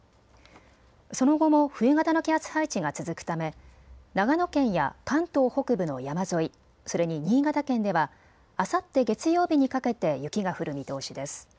その後も冬型の気圧配置が続くため長野県や関東北部の山沿い、それに新潟県ではあさって月曜日にかけて雪が降る見通しです。